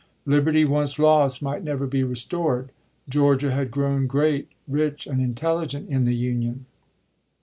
Liberty once lost might never be restored. Georgia had grown great, rich, and intelligent in the Union.